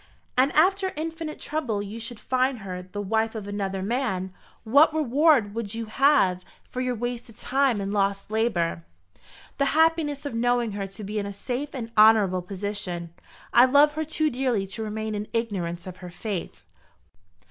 "And if, after infinite trouble, you should find her the wife of another man, what reward would you have for your wasted time and lost labour?" "The happiness of knowing her to be in a safe and honourable position. I love her too dearly to remain in ignorance of her fate."